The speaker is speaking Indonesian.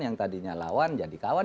yang tadinya lawan jadi kawan